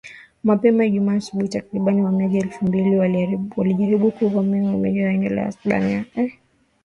Mapema Ijumaa asubuhi takribani wahamiaji elfu mbili walijaribu kuvamia uzio wa eneo la Uhispania